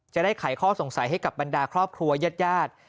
ไขข้อสงสัยให้กับบรรดาครอบครัวญาติญาติ